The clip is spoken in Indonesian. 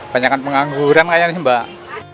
banyakan pengangguran kayaknya nih mbak